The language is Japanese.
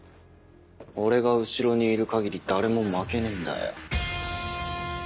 俺が後ろにいる限り誰も負けねえんだよ。